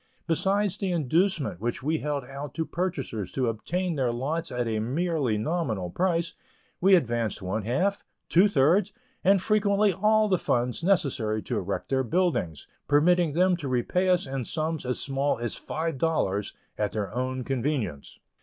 Besides the inducement which we held out to purchasers to obtain their lots at a merely nominal price, we advanced one half, two thirds, and frequently all the funds necessary to erect their buildings, permitting them to repay us in sums as small as five dollars, at their own convenience.